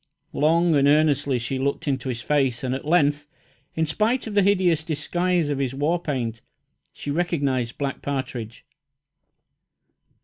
Long and earnestly she looked into his face, and at length, in spite of the hideous disguise of his war paint, she recognised Black Partridge.